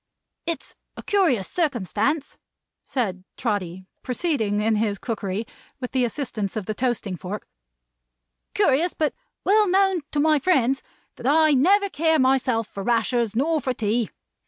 It's a curious circumstance," said Trotty, proceeding in his cookery, with the assistance of the toasting fork, "curious, but well known to my friends, that I never care, myself, for rashers, nor for tea.